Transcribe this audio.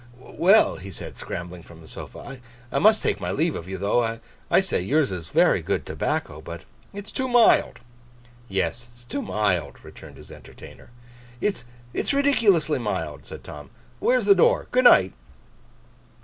'Well!' he said, scrambling from the sofa. 'I must take my leave of you though. I say. Yours is very good tobacco. But it's too mild.' 'Yes, it's too mild,' returned his entertainer. 'It's—it's ridiculously mild,' said Tom. 'Where's the door! Good night!